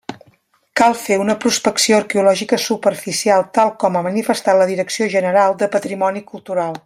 Cal fer una prospecció arqueològica superficial, tal com ha manifestat la Direcció General de Patrimoni Cultural.